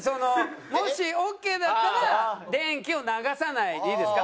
「もしオーケーだったら電気を流さない」でいいですか？